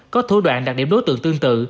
có thủ đoạn đạt điểm đối tượng tương tự